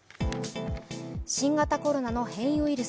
新型コロナの変異ウイル